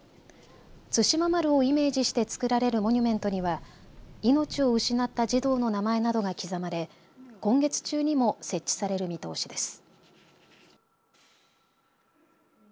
対馬丸をイメージして造られるモニュメントには命を失った児童の名前などが刻まれ今月中にも設置される見通しです。